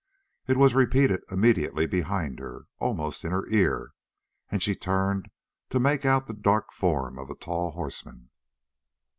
It was repeated immediately behind her almost in her ear, and she turned to make out the dark form of a tall horseman.